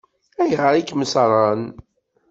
Ayɣer i kem-ṣṣṛen?